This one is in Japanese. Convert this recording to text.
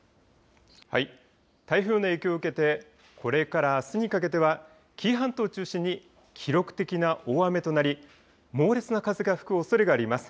台風の影響を受けてこれからあすにかけては紀伊半島を中心に記録的な大雨となり猛烈な風が吹くおそれがあります。